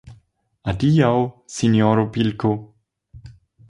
Adiaŭ, sinjoro pilko!